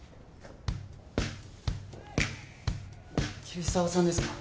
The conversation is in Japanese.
桐沢さんですか？